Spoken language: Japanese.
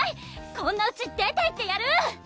こんなうち出ていってやる！」